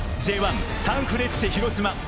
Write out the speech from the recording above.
Ｊ１、サンフレッチェ広島。